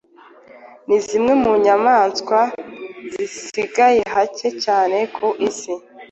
Ni zimwe mu nyamaswa zisigaye hake cyane ku isi.